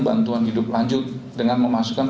bantuan hidup lanjut dengan memasukkan